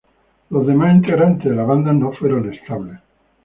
Los demás integrantes de la banda no fueron estables.